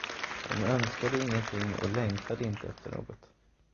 Hon önskade ingenting och längtade inte efter något.